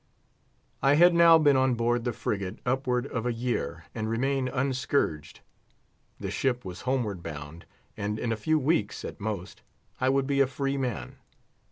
I had now been on board the frigate upward of a year, and remained unscourged; the ship was homeward bound, and in a few weeks, at most, I would be a free man.